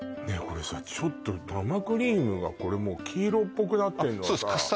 これさちょっと生クリームがこれもう黄色っぽくなってんのはさそうです